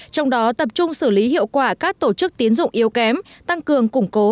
trong đó tập trung xử lý hiệu quả các tổ chức tiến dụng yếu kém tăng cường củng cố